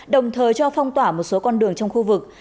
đồng thời cho phong tỏa một số con đường trong khu vực